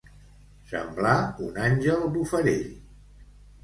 Semblar un àngel bufarell.